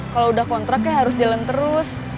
kalau udah kontrak ya harus jalan terus